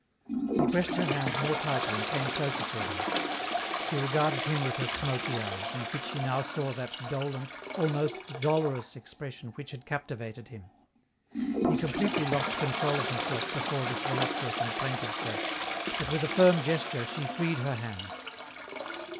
He pressed her hands more tightly and came closer to her. She regarded him with her smoky eyes, in which he now saw that dolent, almost dolorous expression which had captivated him. He completely lost control of himself before this voluptuous and plaintive face, but with a firm gesture she freed her hands.